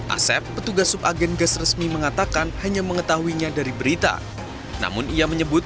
asep petugas sub agen gas resmi mengatakan hanya mengetahuinya dari berita namun ia menyebut